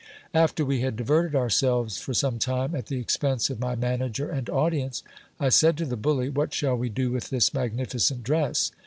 After we had diverted ourselves for some time at the expense of my manager and audience, I said to the bully — What shall we do with this magnificent dress?